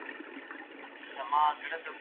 موږ کولای شو د نورو ژبو اثار پښتو ته وژباړو.